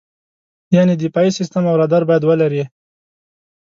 یعنې دفاعي سیستم او رادار باید ولرې.